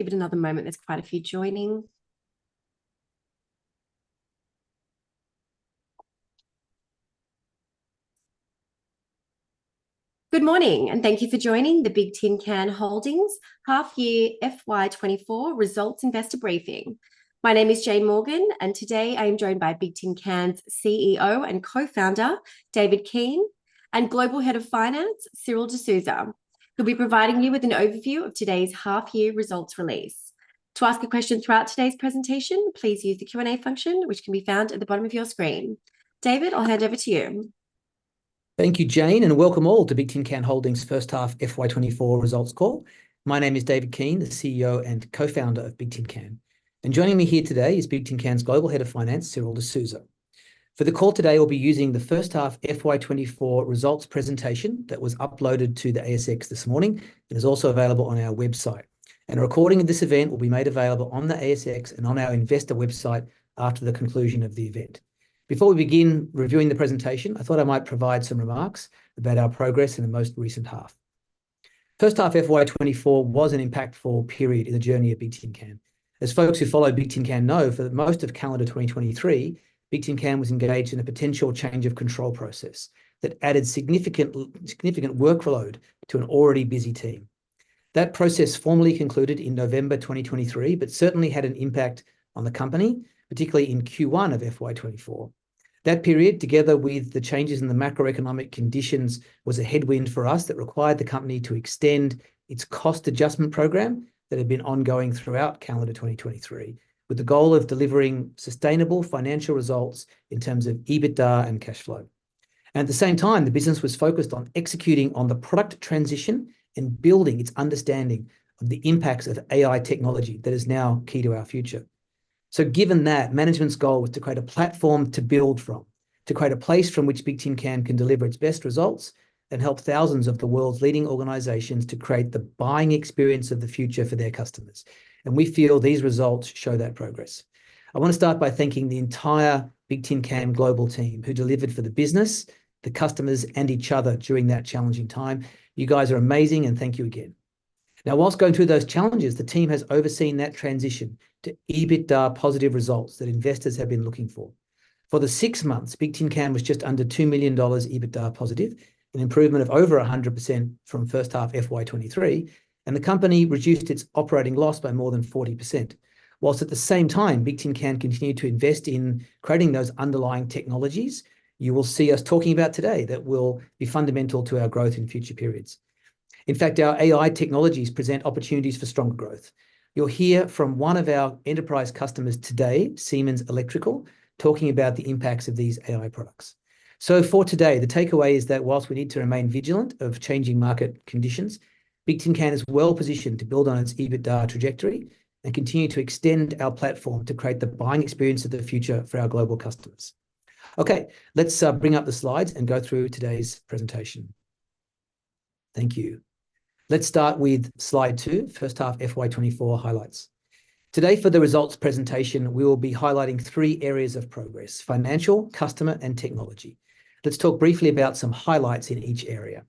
Good morning, and thank you for joining the Bigtincan Holdings half year FY 2024 results investor briefing. My name is Jane Morgan, and today I am joined by Bigtincan's CEO and Co-Founder David Keane and Global Head of Finance Cyril Desouza, who'll be providing you with an overview of today's half year results release. To ask a question throughout today's presentation, please use the Q&A function, which can be found at the bottom of your screen. David, I'll hand over to you. Thank you, Jane, and welcome all to Bigtincan Holdings' first half FY 2024 results call. My name is David Keane, the CEO and Co-Founder of Bigtincan, and joining me here today is Bigtincan's Global Head of Finance Cyril Desouza. For the call today, we'll be using the First Half FY 2024 Results Presentation that was uploaded to the ASX this morning and is also available on our website. A recording of this event will be made available on the ASX and on our investor website after the conclusion of the event. Before we begin reviewing the presentation, I thought I might provide some remarks about our progress in the most recent half. First half FY 2024 was an impactful period in the journey of Bigtincan. As folks who follow Bigtincan know, for most of calendar 2023, Bigtincan was engaged in a potential change of control process that added significant workload to an already busy team. That process formally concluded in November 2023 but certainly had an impact on the company, particularly in Q1 of FY 2024. That period, together with the changes in the macroeconomic conditions, was a headwind for us that required the company to extend its cost adjustment program that had been ongoing throughout calendar 2023 with the goal of delivering sustainable financial results in terms of EBITDA and cash flow. At the same time, the business was focused on executing on the product transition and building its understanding of the impacts of AI technology that is now key to our future. Given that, management's goal was to create a platform to build from, to create a place from which Bigtincan can deliver its best results and help thousands of the world's leading organizations to create the buying experience of the future for their customers. We feel these results show that progress. I want to start by thanking the entire Bigtincan Global team who delivered for the business, the customers, and each other during that challenging time. You guys are amazing, and thank you again. While going through those challenges, the team has overseen that transition to EBITDA positive results that investors have been looking for. For the six months, Bigtincan was just under $2 million EBITDA positive, an improvement of over 100% from first half FY 2023, and the company reduced its operating loss by more than 40%. While at the same time, Bigtincan continued to invest in creating those underlying technologies you will see us talking about today that will be fundamental to our growth in future periods. In fact, our AI technologies present opportunities for stronger growth. You'll hear from one of our enterprise customers today, Siemens Electrical, talking about the impacts of these AI products. For today, the takeaway is that while we need to remain vigilant of changing market conditions, Bigtincan is well positioned to build on its EBITDA trajectory and continue to extend our platform to create the buying experience of the future for our global customers. Okay, let's bring up the slides and go through today's presentation. Thank you. Let's start with slide two, first half FY 2024 Highlights. Today, for the results presentation, we will be highlighting three areas of progress: financial, customer, and technology. Let's talk briefly about some highlights in each area.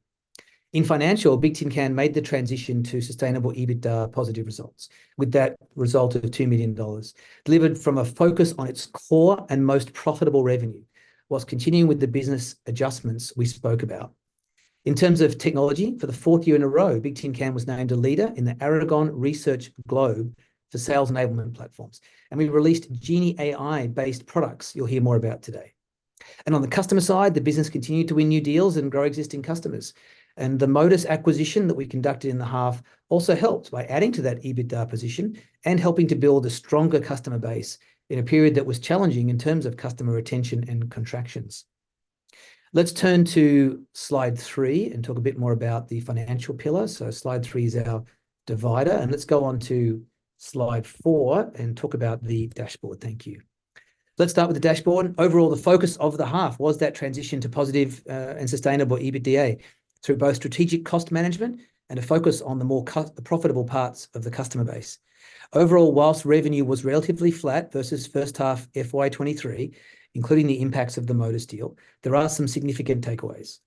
In financial, Bigtincan made the transition to sustainable EBITDA positive results with that result of $2 million, delivered from a focus on its core and most profitable revenue while continuing with the business adjustments we spoke about. In terms of technology, for the fourth year in a row, Bigtincan was named a leader in the Aragon Research Globe for sales enablement platforms, and we released GenieAI based products you'll hear more about today. On the customer side, the business continued to win new deals and grow existing customers, and the Modus acquisition that we conducted in the half also helped by adding to that EBITDA position and helping to build a stronger customer base in a period that was challenging in terms of customer retention and contractions. Let's turn to slide three and talk a bit more about the financial pillar. Slide three is our divider, and let's go on to slide four and talk about the dashboard. Thank you. Let's start with the dashboard. Overall, the focus of the half was that transition to positive and sustainable EBITDA through both strategic cost management and a focus on the more profitable parts of the customer base. Overall, while revenue was relatively flat versus first half FY 2023, including the impacts of the Modus deal, there are some significant takeaways.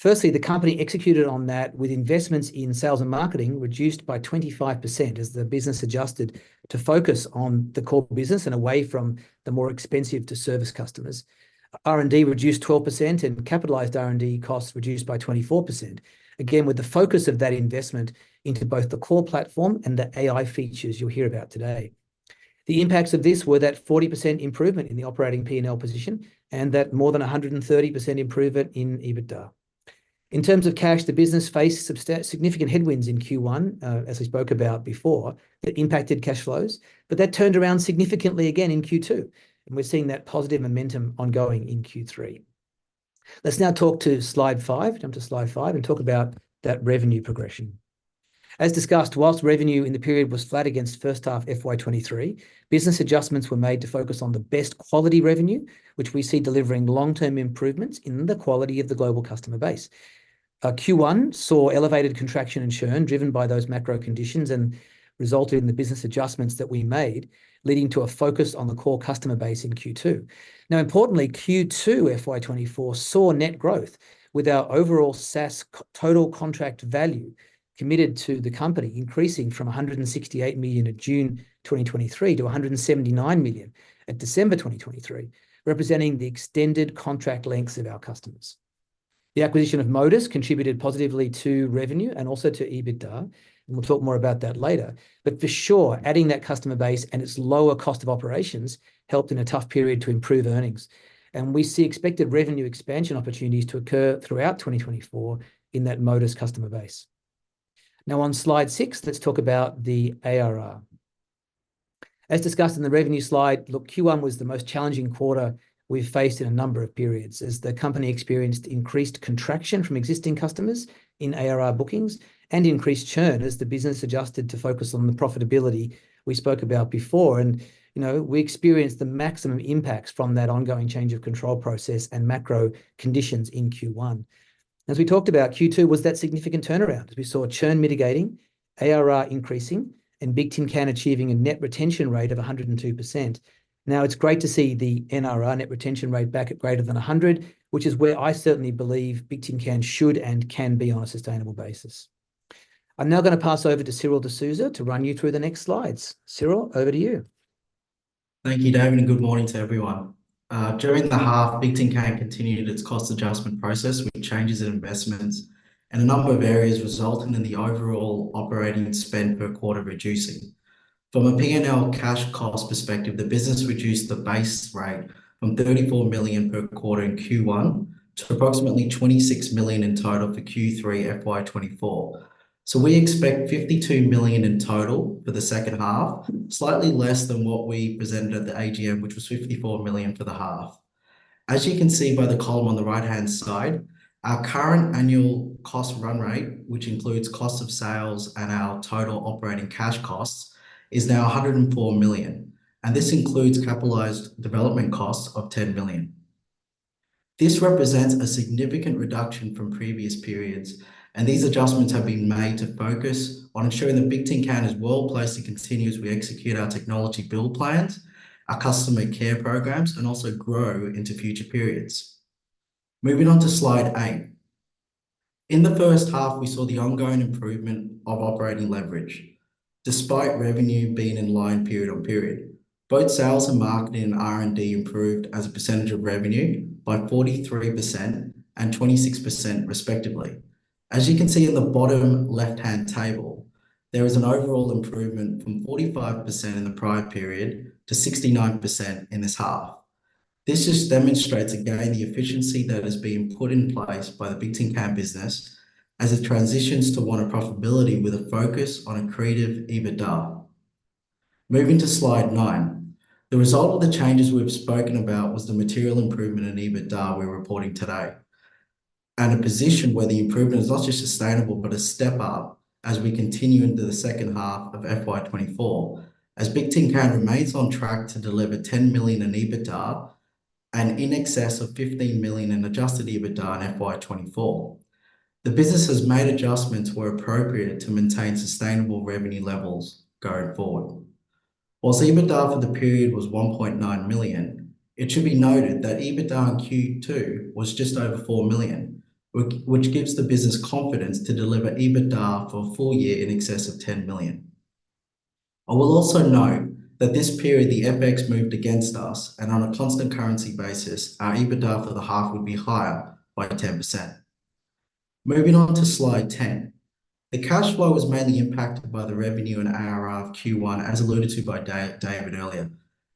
Firstly, the company executed on that with investments in sales and marketing reduced by 25% as the business adjusted to focus on the core business and away from the more expensive-to-service customers. R&D reduced 12%, and capitalized R&D costs reduced by 24%, again with the focus of that investment into both the core platform and the AI features you'll hear about today. The impacts of this were that 40% improvement in the operating P&L position and that more than 130% improvement in EBITDA. In terms of cash, the business faced significant headwinds in Q1, as we spoke about before, that impacted cash flows, but that turned around significantly again in Q2, and we're seeing that positive momentum ongoing in Q3. Let's now talk to slide five, jump to slide five, and talk about that revenue progression. As discussed, while revenue in the period was flat against first half FY 2023, business adjustments were made to focus on the best quality revenue, which we see delivering long-term improvements in the quality of the global customer base. Q1 saw elevated contraction and churn driven by those macro conditions and resulted in the business adjustments that we made, leading to a focus on the core customer base in Q2.Now, importantly, Q2 FY 2024 saw net growth with our overall SaaS total contract value committed to the company increasing from 168 million in June 2023 to 179 million in December 2023, representing the extended contract lengths of our customers. The acquisition of Modus contributed positively to revenue and also to EBITDA, and we'll talk more about that later, but for sure, adding that customer base and its lower cost of operations helped in a tough period to improve earnings, and we see expected revenue expansion opportunities to occur throughout 2024 in that Modus customer base. Now, on slide six, let's talk about the ARR. As discussed in the revenue slide, look, Q1 was the most challenging quarter we've faced in a number of periods as the company experienced increased contraction from existing customers in ARR bookings and increased churn as the business adjusted to focus on the profitability we spoke about before, and you know we experienced the maximum impacts from that ongoing change of control process and macro conditions in Q1. As we talked about, Q2 was that significant turnaround as we saw churn mitigating, ARR increasing, and Bigtincan achieving a net retention rate of 102%. Now, it's great to see the NRR, net retention rate, back at greater than 100%, which is where I certainly believe Bigtincan should and can be on a sustainable basis. I'm now going to pass over to Cyril Desouza to run you through the next slides. Cyril, over to you. Thank you, David, and good morning to everyone. During the half, Bigtincan continued its cost adjustment process with changes in investments and a number of areas resulting in the overall operating spend per quarter reducing. From a P&L cash cost perspective, the business reduced the base rate from 34 million per quarter in Q1 to approximately 26 million in total for Q3 FY 2024. We expect 52 million in total for the second half, slightly less than what we presented at the AGM, which was 54 million for the half. As you can see by the column on the right-hand side, our current annual cost run rate, which includes costs of sales and our total operating cash costs, is now 104 million, and this includes capitalized development costs of 10 million. This represents a significant reduction from previous periods, and these adjustments have been made to focus on ensuring that Bigtincan is well placed to continue as we execute our technology build plans, our customer care programs, and also grow into future periods. Moving on to slide eight. In the first half, we saw the ongoing improvement of operating leverage despite revenue being in line period-on-period. Both sales and marketing and R&D improved as a percentage of revenue by 43% and 26% respectively. As you can see in the bottom left-hand table, there is an overall improvement from 45% in the prior period to 69% in this half. This just demonstrates, again, the efficiency that has been put in place by the Bigtincan business as it transitions one of profitability with a focus on a accretive EBITDA. Moving to slide nine. The result of the changes we've spoken about was the material improvement in EBITDA we're reporting today and a position where the improvement is not just sustainable but a step up as we continue into the second half of FY 2024 as Bigtincan remains on track to deliver 10 million in EBITDA and in excess of 15 million in adjusted EBITDA in FY 2024. The business has made adjustments where appropriate to maintain sustainable revenue levels going forward. While EBITDA for the period was 1.9 million, it should be noted that EBITDA in Q2 was just over 4 million, which gives the business confidence to deliver EBITDA for a full year in excess of 10 million. I will also note that this period the FX moved against us, and on a constant currency basis, our EBITDA for the half would be higher by 10%. Moving on to slide 10. The cash flow was mainly impacted by the revenue and ARR of Q1, as alluded to by David earlier,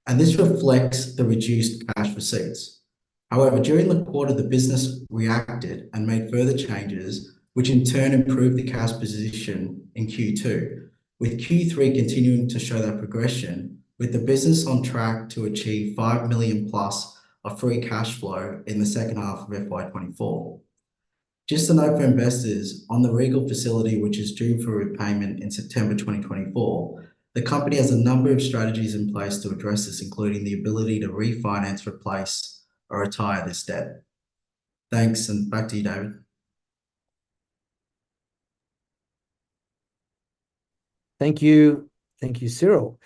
and this reflects the reduced cash receipts. However, during the quarter, the business reacted and made further changes, which in turn improved the cash position in Q2, with Q3 continuing to show that progression with the business on track to achieve 5 million+ of free cash flow in the second half of FY 2024. Just a note for investors, on the revolving facility, which is due for repayment in September 2024, the company has a number of strategies in place to address this, including the ability to refinance, replace, or retire this debt. Thanks, and back to you, David. Thank you. Thank you, Cyril.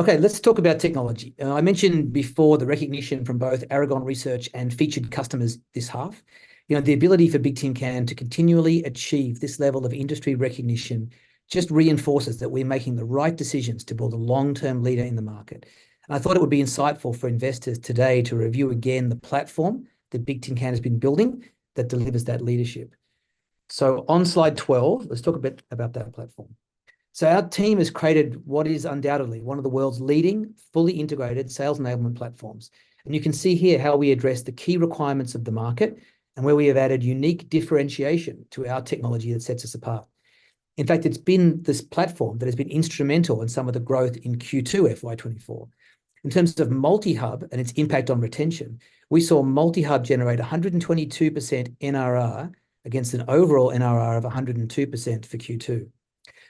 Okay, let's talk about technology. I mentioned before the recognition from both Aragon Research and featured customers this half. You know, the ability for Bigtincan to continually achieve this level of industry recognition just reinforces that we're making the right decisions to build a long-term leader in the market. I thought it would be insightful for investors today to review again the platform that Bigtincan has been building that delivers that leadership. On slide 12, let's talk a bit about that platform. Our team has created what is undoubtedly one of the world's leading fully integrated sales enablement platforms. You can see here how we address the key requirements of the market and where we have added unique differentiation to our technology that sets us apart. In fact, it's been this platform that has been instrumental in some of the growth in Q2 FY 2024. In terms of MultiHub and its impact on retention, we saw MultiHub generate 122% NRR against an overall NRR of 102% for Q2.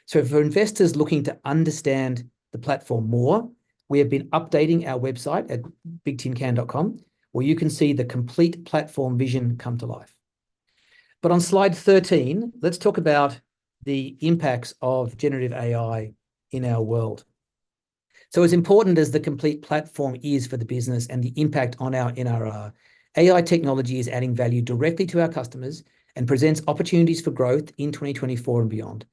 For investors looking to understand the platform more, we have been updating our website at bigtincan.com where you can see the complete platform vision come to life. On slide 13, let's talk about the impacts of generative AI in our world. As important as the complete platform is for the business and the impact on our NRR, AI technology is adding value directly to our customers and presents opportunities for growth in 2024 and beyond.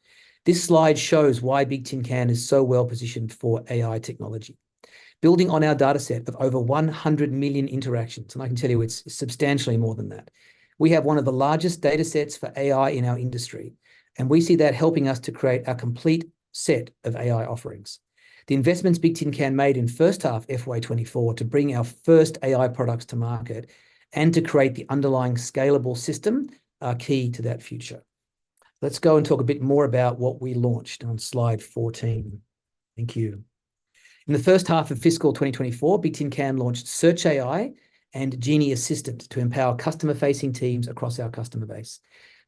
This slide shows why Bigtincan is so well positioned for AI technology. Building on our dataset of over 100 million interactions, and I can tell you it's substantially more than that, we have one of the largest datasets for AI in our industry, and we see that helping us to create our complete set of AI offerings. The investments Bigtincan made in First Half FY 2024 to bring our first AI products to market and to create the underlying scalable system are key to that future. Let's go and talk a bit more about what we launched on slide 14. Thank you. In the first half of fiscal 2024, Bigtincan launched SearchAI and Genie Assistant to empower customer-facing teams across our customer base.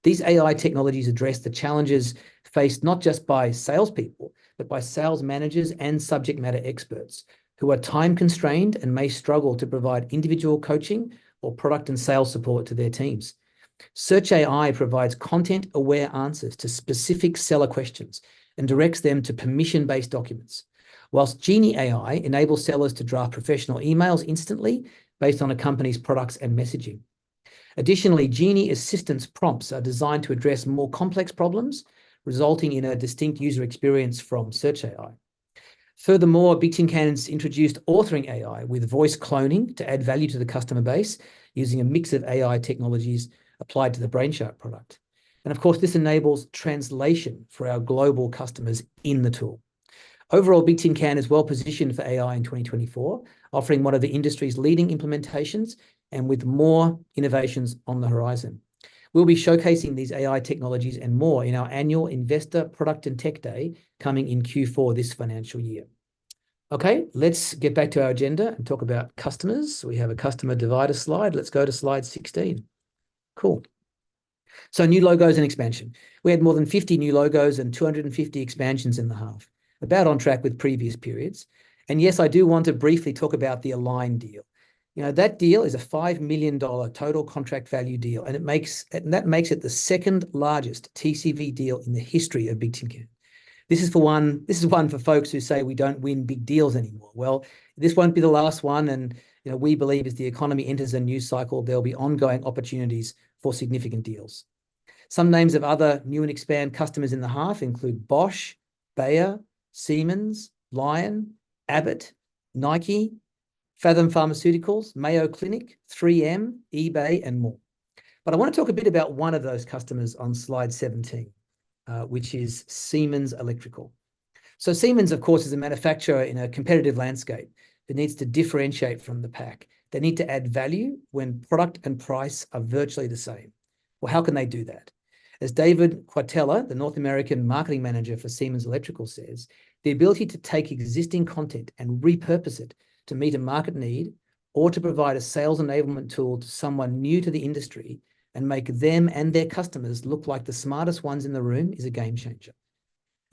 These AI technologies address the challenges faced not just by salespeople but by sales managers and subject matter experts who are time-constrained and may struggle to provide individual coaching or product and sales support to their teams. SearchAI provides content-aware answers to specific seller questions and directs them to permission-based documents, while GenieAI enables sellers to draft professional emails instantly based on a company's products and messaging. Additionally, Genie Assistant's prompts are designed to address more complex problems resulting in a distinct user experience from SearchAI. Furthermore, Bigtincan has introduced AuthoringAI with voice cloning to add value to the customer base using a mix of AI technologies applied to the Brainshark product. Of course, this enables translation for our global customers in the tool. Overall, Bigtincan is well positioned for AI in 2024, offering one of the industry's leading implementations and with more innovations on the horizon. We'll be showcasing these AI technologies and more in our annual Investor, Product, and Tech Day coming in Q4 this financial year. Okay, let's get back to our agenda and talk about customers. We have a customer divider slide. Let's go to slide 16. Cool. New logos and expansion. We had more than 50 new logos and 250 expansions in the half, about on track with previous periods. Yes, I do want to briefly talk about the Align deal. You know, that deal is a $5 million total contract value deal, and that makes it the second largest TCV deal in the history of Bigtincan. This is for one for folks who say we don't win big deals anymore. Well, this won't be the last one, and you know we believe as the economy enters a new cycle, there'll be ongoing opportunities for significant deals. Some names of other new and expand customers in the half include Bosch, Bayer, Siemens, Lion, Abbott, Nike, Phathom Pharmaceuticals, Mayo Clinic, 3M, eBay, and more. I want to talk a bit about one of those customers on slide 17, which is Siemens Electrical. Siemens, of course, is a manufacturer in a competitive landscape that needs to differentiate from the pack. They need to add value when product and price are virtually the same. Well, how can they do that? As David Quartella, the North American marketing manager for Siemens Electrical, says, "The ability to take existing content and repurpose it to meet a market need or to provide a sales enablement tool to someone new to the industry and make them and their customers look like the smartest ones in the room is a game changer."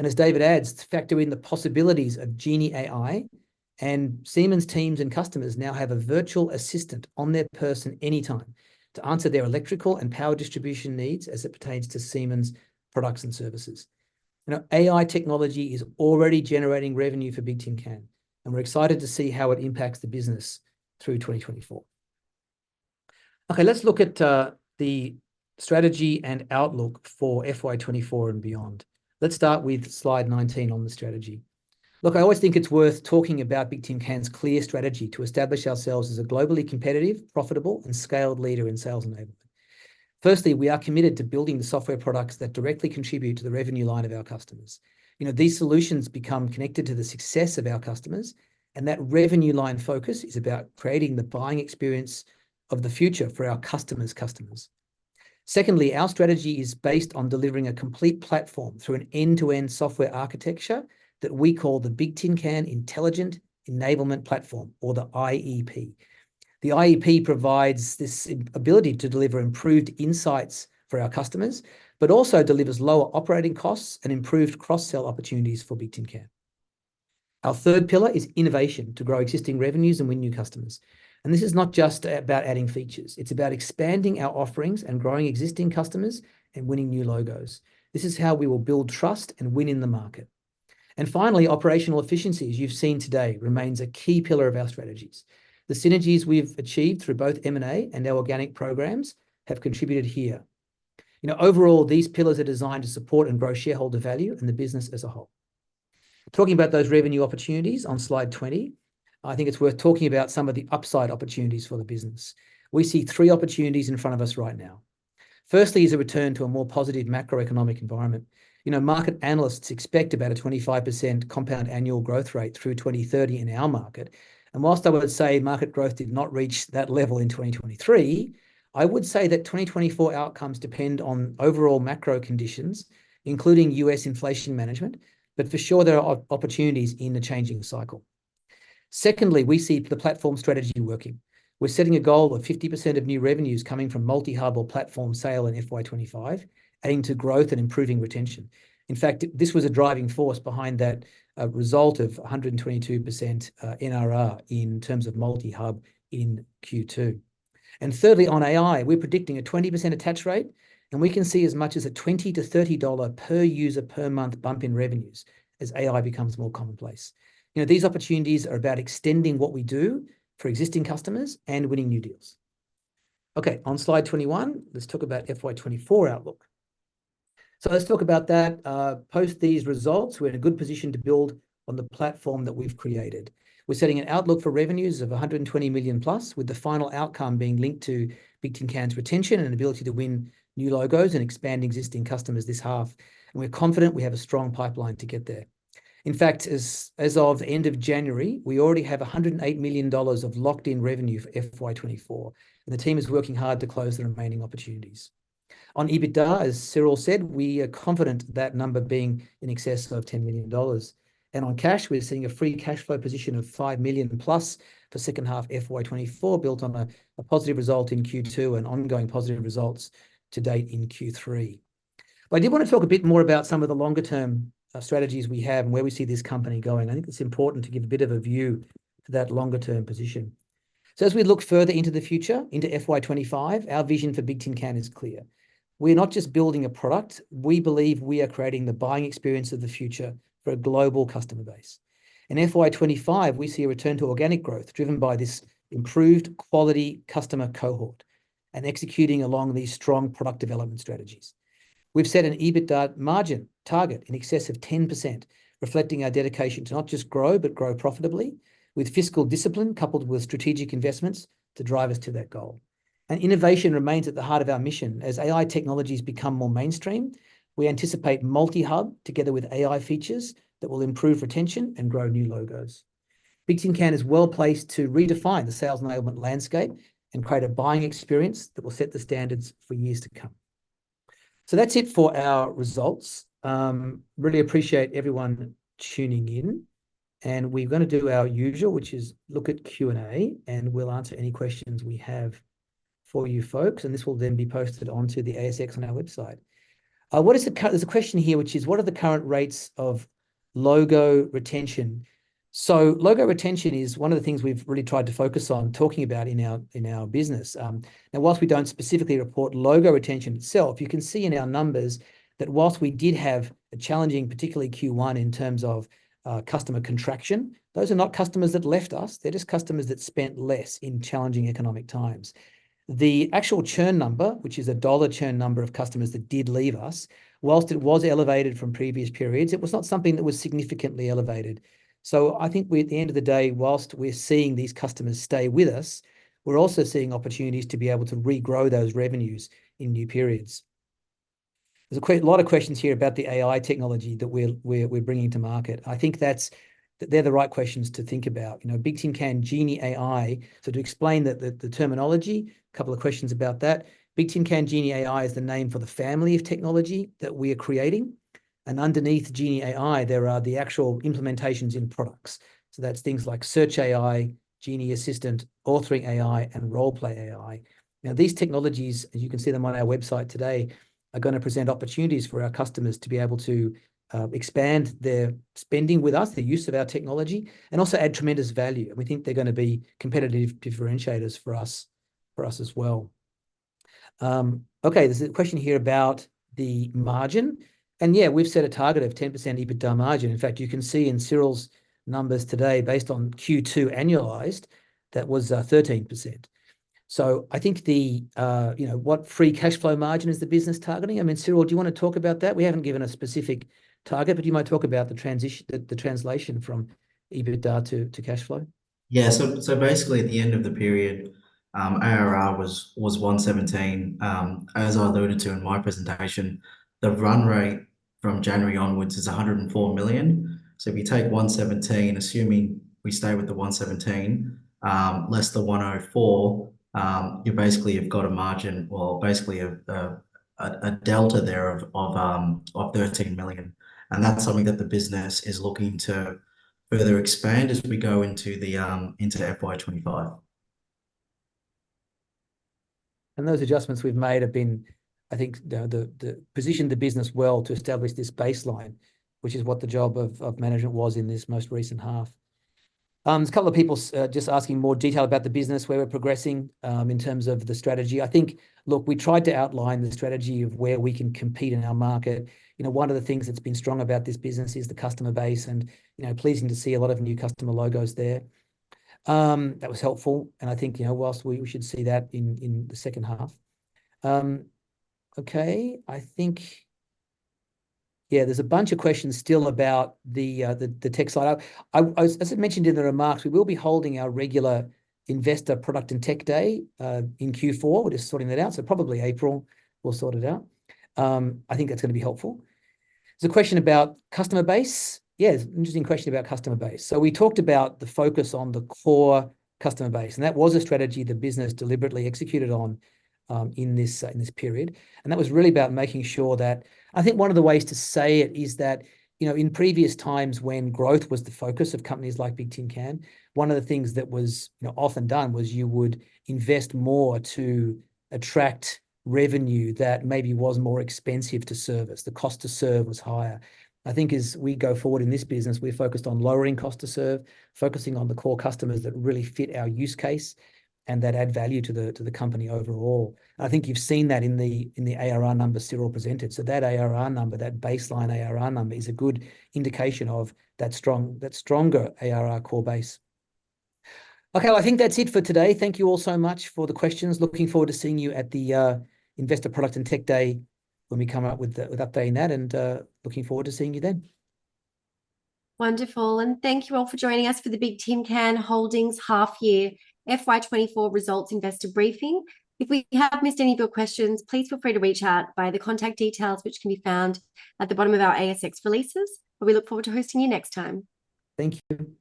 As David adds, factor in the possibilities of GenieAI, and Siemens teams and customers now have a virtual assistant on their person anytime to answer their electrical and power distribution needs as it pertains to Siemens products and services. AI technology is already generating revenue for Bigtincan, and we're excited to see how it impacts the business through 2024. Okay, let's look at the strategy and outlook for FY 2024 and beyond. Let's start with slide 19 on the strategy. Look, I always think it's worth talking about Bigtincan's clear strategy to establish ourselves as a globally competitive, profitable, and scaled leader in sales enablement. Firstly, we are committed to building the software products that directly contribute to the revenue line of our customers. You know, these solutions become connected to the success of our customers, and that revenue line focus is about creating the buying experience of the future for our customers' customers. Secondly, our strategy is based on delivering a complete platform through an end-to-end software architecture that we call the Bigtincan Intelligent Enablement Platform, or the IEP. The IEP provides this ability to deliver improved insights for our customers but also delivers lower operating costs and improved cross-sell opportunities for Bigtincan. Our third pillar is innovation to grow existing revenues and win new customers. This is not just about adding features. It's about expanding our offerings and growing existing customers and winning new logos. This is how we will build trust and win in the market. Finally, operational efficiencies you've seen today remain a key pillar of our strategies. The synergies we've achieved through both M&A and our organic programs have contributed here. Overall, these pillars are designed to support and grow shareholder value and the business as a whole. Talking about those revenue opportunities on slide 20, I think it's worth talking about some of the upside opportunities for the business. We see three opportunities in front of us right now. Firstly is a return to a more positive macroeconomic environment. You know, market analysts expect about a 25% compound annual growth rate through 2030 in our market. While I would say market growth did not reach that level in 2023, I would say that 2024 outcomes depend on overall macro conditions, including U.S. inflation management, but for sure there are opportunities in the changing cycle. Secondly, we see the platform strategy working. We're setting a goal of 50% of new revenues coming from MultiHub or platform sale in FY 2025, adding to growth and improving retention. In fact, this was a driving force behind that result of 122% NRR in terms of MultiHub in Q2. Thirdly, on AI, we're predicting a 20% attach rate, and we can see as much as a $20-$30 per user per month bump in revenues as AI becomes more commonplace. You know, these opportunities are about extending what we do for existing customers and winning new deals. Okay, on slide 21, let's talk about FY 2024 outlook. Let's talk about that. Post these results, we're in a good position to build on the platform that we've created. We're setting an outlook for revenues of 120 million+, with the final outcome being linked to Bigtincan's retention and an ability to win new logos and expand existing customers this half. We're confident we have a strong pipeline to get there. In fact, as of the end of January, we already have 108 million dollars of locked-in revenue for FY 2024, and the team is working hard to close the remaining opportunities. On EBITDA, as Cyril said, we are confident that number being in excess of 10 million dollars. On cash, we're seeing a free cash flow position of 5 million+ for second half FY 2024, built on a positive result in Q2 and ongoing positive results to date in Q3. I did want to talk a bit more about some of the longer-term strategies we have and where we see this company going. I think it's important to give a bit of a view for that longer-term position. As we look further into the future, into FY 2025, our vision for Bigtincan is clear. We're not just building a product. We believe we are creating the buying experience of the future for a global customer base. In FY 2025, we see a return to organic growth driven by this improved quality customer cohort and executing along these strong product development strategies. We've set an EBITDA margin target in excess of 10%, reflecting our dedication to not just grow but grow profitably with fiscal discipline coupled with strategic investments to drive us to that goal. Innovation remains at the heart of our mission. As AI technologies become more mainstream, we anticipate MultiHub together with AI features that will improve retention and grow new logos. Bigtincan is well placed to redefine the sales enablement landscape and create a buying experience that will set the standards for years to come. That's it for our results. Really appreciate everyone tuning in. We're going to do our usual, which is look at Q&A, and we'll answer any questions we have for you folks, and this will then be posted onto the ASX on our website. There's a question here, which is, what are the current rates of logo retention? Logo retention is one of the things we've really tried to focus on talking about in our business. While we don't specifically report logo retention itself, you can see in our numbers that while we did have a challenging, particularly Q1, in terms of customer contraction, those are not customers that left us. They're just customers that spent less in challenging economic times. The actual churn number, which is a dollar churn number of customers that did leave us, while it was elevated from previous periods, it was not something that was significantly elevated. I think at the end of the day, while we're seeing these customers stay with us, we're also seeing opportunities to be able to regrow those revenues in new periods. There's a lot of questions here about the AI technology that we're bringing to market. I think that's they're the right questions to think about. You know, Bigtincan GenieAI, so to explain the terminology, a couple of questions about that. Bigtincan GenieAI is the name for the family of technology that we are creating. Underneath GenieAI, there are the actual implementations in products. That's things like SearchAI, Genie Assistant, AuthoringAI, and RolePlayAI. Now, these technologies, as you can see them on our website today, are going to present opportunities for our customers to be able to expand their spending with us, the use of our technology, and also add tremendous value. We think they're going to be competitive differentiators for us, for us as well. Okay, there's a question here about the margin. And yeah, we've set a target of 10% EBITDA margin. In fact, you can see in Cyril's numbers today, based on Q2 annualized, that was 13%. I think the, you know, what free cash flow margin is the business targeting? I mean, Cyril, do you want to talk about that? We haven't given a specific target, but do you mind talking about the transition, the translation from EBITDA to cash flow? Yeah, so basically at the end of the period, ARR was 117. As I alluded to in my presentation, the run rate from January onwards is 104 million. If you take 117, assuming we stay with the 117, less the 104, you basically have got a margin, well, basically a delta there of 13 million. That's something that the business is looking to further expand as we go into FY 2025. Those adjustments we've made have been, I think, the position the business well to establish this baseline, which is what the job of management was in this most recent half. There's a couple of people just asking more detail about the business, where we're progressing in terms of the strategy. I think, look, we tried to outline the strategy of where we can compete in our market. You know, one of the things that's been strong about this business is the customer base and, you know, pleasing to see a lot of new customer logos there. That was helpful. I think, you know, while we should see that in the second half. Okay, I think, yeah, there's a bunch of questions still about the tech slide. As I mentioned in the remarks, we will be holding our regular Investor, Product, and Tech Day in Q4. We're just sorting that out. Probably April, we'll sort it out. I think that's going to be helpful. There's a question about customer base. Yeah, it's an interesting question about customer base. We talked about the focus on the core customer base, and that was a strategy the business deliberately executed on in this, in this period. That was really about making sure that I think one of the ways to say it is that, you know, in previous times when growth was the focus of companies like Bigtincan, one of the things that was, you know, often done was you would invest more to attract revenue that maybe was more expensive to service. The cost to serve was higher. I think as we go forward in this business, we're focused on lowering cost to serve, focusing on the core customers that really fit our use case and that add value to the, to the company overall. I think you've seen that in the, in the ARR number Cyril presented. That ARR number, that baseline ARR number, is a good indication of that strong, that stronger ARR core base. Okay, I think that's it for today. Thank you all so much for the questions. Looking forward to seeing you at the Investor, Product, and Tech Day when we come up with the, with updating that and looking forward to seeing you then. Wonderful. Thank you all for joining us for the Bigtincan Holdings half year FY 2024 results investor briefing. If we have missed any of your questions, please feel free to reach out by the contact details, which can be found at the bottom of our ASX releases. We look forward to hosting you next time. Thank you.